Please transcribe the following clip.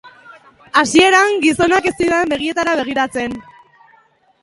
Hasieran, gizonak ez zidan begietara begiratzen.